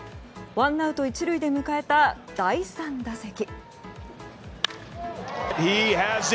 ワンアウト１塁で迎えた第３打席。